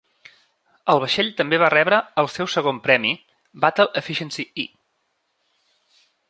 El vaixell també va rebre el seu segon premi "Battle Efficiency "E"".